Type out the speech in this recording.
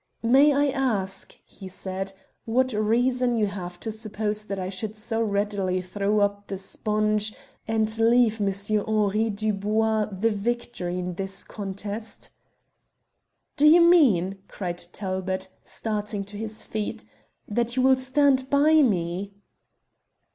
"May I ask," he said, "what reason you have to suppose that I should so readily throw up the sponge and leave Monsieur Henri Dubois the victor in this contest?" "Do you mean," cried Talbot, starting to his feet, "that you will stand by me?"